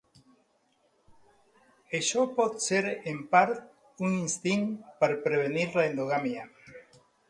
Això pot ser en part un instint per prevenir l'endogàmia.